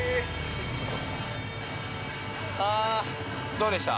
◆どうでした？